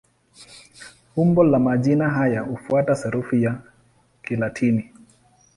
Umbo la majina haya hufuata sarufi ya Kilatini.